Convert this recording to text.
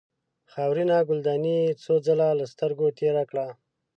خاورینه ګلدانۍ یې څو ځله له سترګو تېره کړه.